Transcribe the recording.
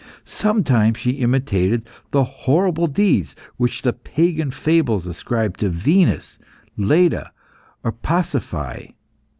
Sometimes she imitated the horrible deeds which the Pagan fables ascribe to Venus, Leda, or Pasiphae.